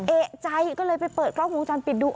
เอกใจก็เลยไปเปิดกล้องวงจรปิดดู